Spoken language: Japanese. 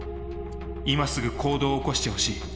今すぐ行動を起こしてほしい。